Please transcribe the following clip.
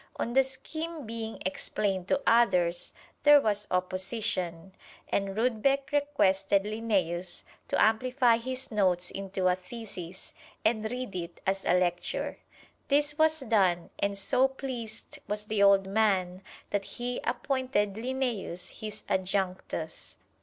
On the scheme being explained to others there was opposition, and Rudbeck requested Linnæus to amplify his notes into a thesis, and read it as a lecture. This was done, and so pleased was the old man that he appointed Linnæus his adjunctus.